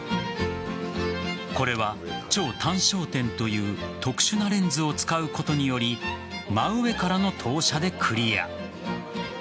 これは超短焦点という特殊なレンズを使うことにより真上からの投写でクリア。